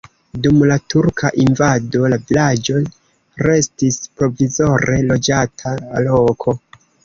Dum la turka invado la vilaĝo restis provizore loĝata loko.